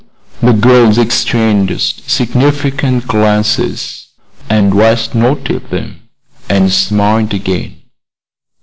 The girls exchanged significant glances, and West noted them and smiled again.